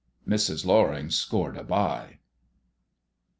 Mrs. Loring scored a bye.